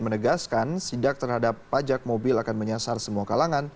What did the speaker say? menegaskan sidak terhadap pajak mobil akan menyasar semua kalangan